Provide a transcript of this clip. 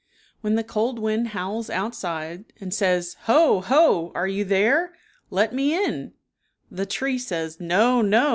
When the cold wind howls outside, : and says: "Ho! Ho! Are you there? Let me in," the tree says, "No! No!